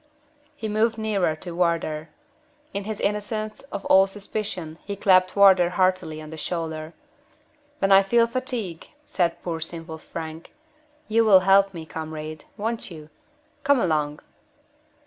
He moved nearer to Wardour. In his innocence of all suspicion he clapped Wardour heartily on the shoulder. "When I feel the fatigue," said poor simple Frank, "you will help me, comrade won't you? Come along!"